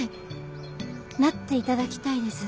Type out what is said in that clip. なっていただきたいです。